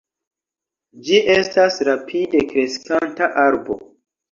Ĝi estas rapide kreskanta arbo.